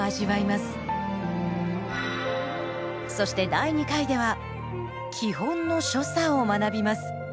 そして第二回では基本の所作を学びます。